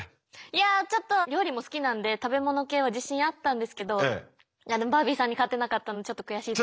いやちょっと料理も好きなんで食べ物系は自信あったんですけどバービーさんに勝てなかったのちょっと悔しいです。